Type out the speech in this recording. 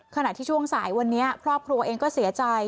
ขณะที่ช่วงสายวันนี้ครอบครัวเองก็เสียใจ